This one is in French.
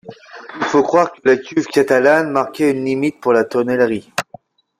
Il faut croire que la cuve catalane marquait une limite pour la tonnellerie.